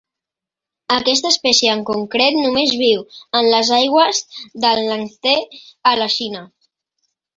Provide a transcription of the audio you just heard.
Aquesta espècie en concret només viu en les aigües del Iang-Tsé, a la Xina.